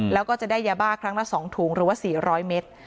แล้วก็จะได้ยาบ้าครั้งละ๒ถุงหรือว่า๔๐๐เมตร